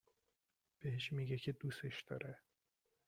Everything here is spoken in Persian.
بهش میگه که دوستش داره